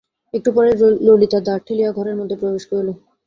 একটু পরেই ললিতা দ্বার ঠেলিয়া ঘরের মধ্যে প্রবেশ করিল।